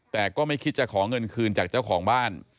แต่ก็ไม่คิดจะขอเงินคืนจากเจ้าของบ้าน